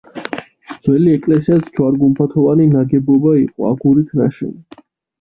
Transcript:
ძველი ეკლესიაც ჯვარ-გუმბათოვანი ნაგებობა იყო, აგურით ნაშენი.